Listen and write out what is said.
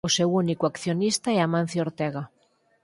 O seu único accionista é Amancio Ortega.